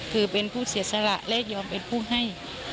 คือเป็นผู้เสียสละและยอมเป็นผู้ให้